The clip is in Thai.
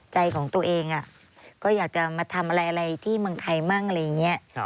ใจของตัวเองก็อยากจะมาทำอะไรที่เมืองไทยมั่งอะไรอย่างนี้